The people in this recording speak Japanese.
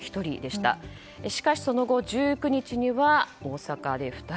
しかしその後１９日には大阪で２人。